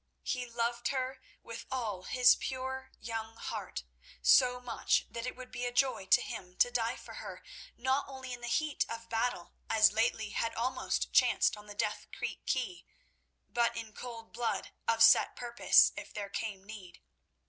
He loved her with all his pure young heart—so much that it would be a joy to him to die for her, not only in the heat of battle, as lately had almost chanced on the Death Creek quay, but in cold blood, of set purpose, if there came need.